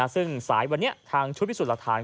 ซึ่งสายวันนี้ทางชุดพิสูจน์หลักฐาน